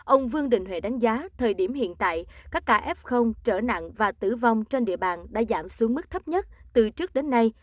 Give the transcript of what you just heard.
ông vương đình huệ đánh giá thời điểm hiện tại các ca f trở nặng và tử vong trên địa bàn đã giảm xuống mức thấp nhất từ trước đến nay